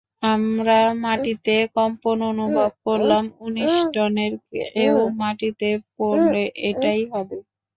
আমরা মাটিতে কম্পন অনুভব করলাম, উনিশ টনের কেউ মাটিতে পড়লে এটাই হবে।